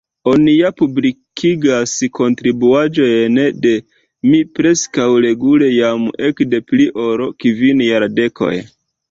Oni ja publikigas kontribuaĵojn de mi preskaŭ regule jam ekde pli ol kvin jardekoj.